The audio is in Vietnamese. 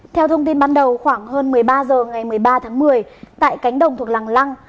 theo thông tin ban đầu khoảng hơn một mươi ba h ngày một mươi ba tháng một mươi tại cánh đồng thuộc làng lăng